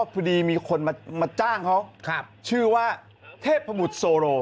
พอดีมีคนมาจ้างเขาชื่อว่าเทพบุตรโซโร